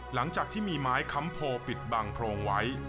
หลังจากที่มีไม้ค้ำโพปิดบังโพรงไว้